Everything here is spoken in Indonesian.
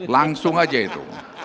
langsung aja itu